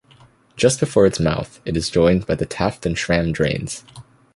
Just before its mouth, it is joined by the Taft and Schram drains.